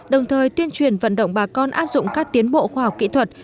đồng thời tuyên truyền vận động bà con áp dụng các tiến bộ khoa học kỹ thuật